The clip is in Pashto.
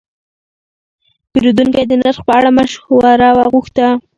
پیرودونکی د نرخ په اړه مشوره وغوښته.